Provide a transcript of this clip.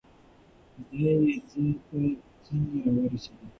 دې ځای ته څنګه راورسېد؟